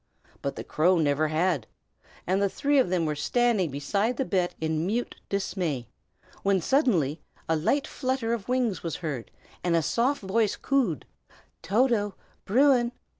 But the crow never had; and the three were standing beside the bed in mute dismay, when suddenly a light flutter of wings was heard, and a soft voice cooed, "Toto! Bruin!"